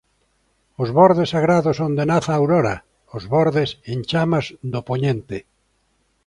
Dos bordes sagrados onde nace a aurora Ós bordes en chamas do poñente